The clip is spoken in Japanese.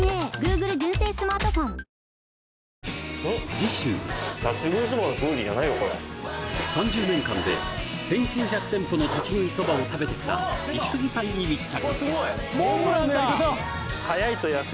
次週３０年間で１９００店舗の立食いそばを食べてきたイキスギさんに密着！